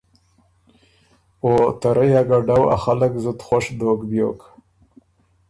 او ته رئ ا ګډؤ ا خلق زُت خؤش دوک بیوک